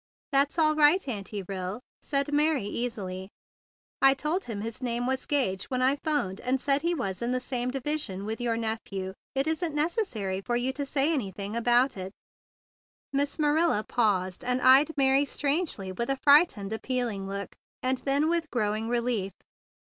"That's all right, Auntie Bill," said Mary easily; "I told him his name was Gage when I phoned, and said he was in the same division with your nephew. It isn't necessary for you to say any¬ thing about it." Miss Marilla paused, and eyed Mary strangely with a frightened, appealing look, and then with growing relief.